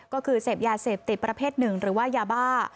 ก็คือเสพยาเสพติดประเภทหนึ่งหรือว่ายาบ้า